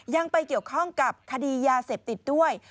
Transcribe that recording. ยังไปเกี่ยวข้องกับคดียาเสพติดด้วย